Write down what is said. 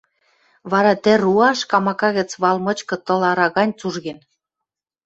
Вара тӹ руаш, камака гӹц вал мычкы тыл ара гань цужген